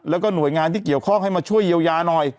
แล้วก็หน่วยงานที่เกี่ยวข้องให้มาช่วยเยียวยาหน่อย